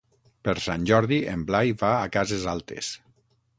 Per Sant Jordi en Blai va a Cases Altes.